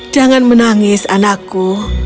jangan menangis anakku